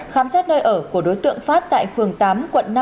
khám xét nơi ở của đối tượng phát tại phường tám quận năm